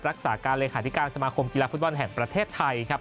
รักษาการเลขาธิการสมาคมกีฬาฟุตบอลแห่งประเทศไทยครับ